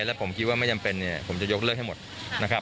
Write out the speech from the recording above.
แล้วผมคิดว่าไม่จำเป็นเนี่ยผมจะยกเลิกให้หมดนะครับ